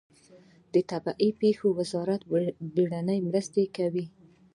د طبیعي پیښو وزارت بیړنۍ مرستې کوي